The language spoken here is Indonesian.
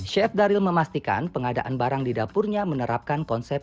chef daryl memastikan pengadaan barang di dapurnya menerapkan konsep